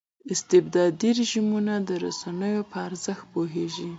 استبدادي رژیمونه د رسنیو په ارزښت پوهېږي.